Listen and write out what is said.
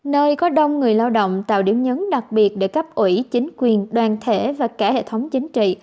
nơi có đông người lao động tạo điểm nhấn đặc biệt để cấp ủy chính quyền đoàn thể và cả hệ thống chính trị